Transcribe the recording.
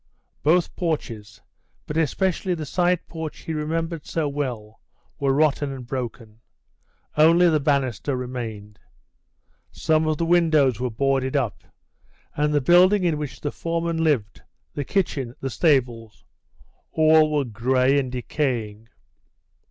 Both porches, but especially the side porch he remembered so well, were rotten and broken; only the banister remained. Some of the windows were boarded up, and the building in which the foreman lived, the kitchen, the stables all were grey and decaying.